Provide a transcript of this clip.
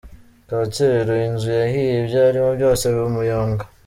Kacyiru : Inzu yahiye, ibyarimo byose biba umuyonga.